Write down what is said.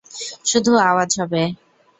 শুধু আওয়াজ হবে।